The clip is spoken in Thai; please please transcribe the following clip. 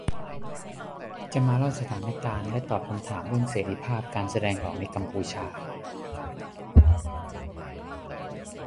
จะมาเล่าสถานการณ์และตอบคำถามเรื่องเสรีภาพการแสดงออกในกัมพูชา